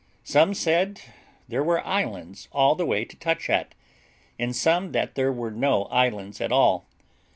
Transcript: Some said there were islands all the way to touch at, some that there were no islands at all.